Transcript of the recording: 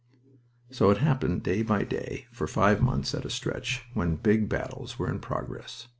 So it happened day by day, for five months at a stretch, when big battles were in progress.